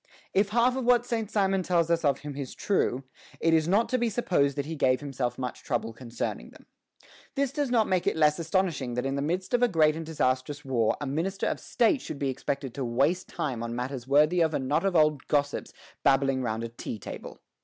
If half of what Saint Simon tells us of him is true, it is not to be supposed that he gave himself much trouble concerning them. This does not make it the less astonishing that in the midst of a great and disastrous war a minister of State should be expected to waste time on matters worthy of a knot of old gossips babbling round a tea table.